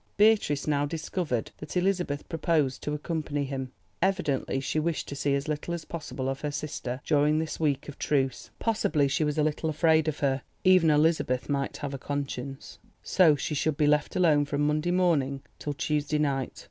Beatrice now discovered that Elizabeth proposed to accompany him. Evidently she wished to see as little as possible of her sister during this week of truce—possibly she was a little afraid of her. Even Elizabeth might have a conscience. So she should be left alone from Monday morning till Tuesday night.